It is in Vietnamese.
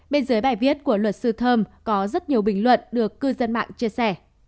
bên dưới bài viết của luật sư thơm có rất nhiều bình luận được cư dân mạng chia sẻ